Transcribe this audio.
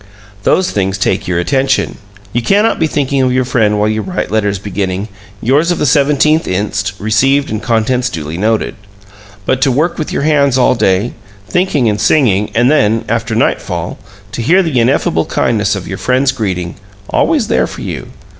Those things take your attention. You cannot be thinking of your friend while you write letters beginning "Yours of the 17th inst. rec'd and contents duly noted." But to work with your hands all day, thinking and singing, and then, after nightfall, to hear the ineffable kindness of your friend's greeting always there for you!